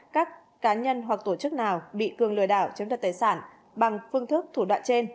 các cá nhân hoặc tổ chức nào bị cường lừa đảo chiếm đặt tài sản bằng phương thức thủ đoạn trên